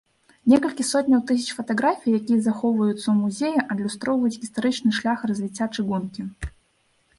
Некалькі сотняў тысяч фатаграфій, якія захоўваюцца ў музеі, адлюстроўваюць гістарычны шлях развіцця чыгункі.